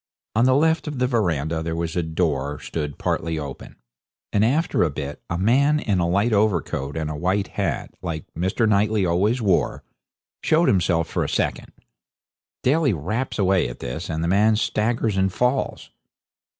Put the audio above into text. On the left of the verandah there was a door stood partly open, and after a bit a man in a light overcoat and a white hat, like Mr. Knightley always wore, showed himself for a second. Daly raps away at this, and the man staggers and falls.